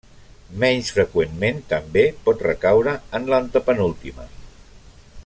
Menys freqüentment, també pot recaure en l'antepenúltima.